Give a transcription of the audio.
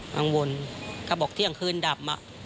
กังวลเขาบอกเที่ยงคืนดับ